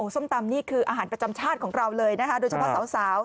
ส้มตำนี่คืออาหารประจำชาติของเราเลยนะคะโดยเฉพาะสาว